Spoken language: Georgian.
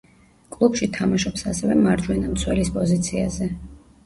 კლუბში თამაშობს ასევე მარჯვენა მცველის პოზიციაზე.